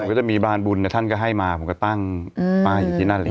ก็จะมีบานบุญท่านก็ให้มาผมก็ตั้งป้ายอยู่ที่นั่นเลย